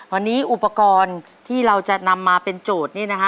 วันนี้อุปกรณ์ที่เราจะนำมาเป็นโจทย์นี่นะฮะ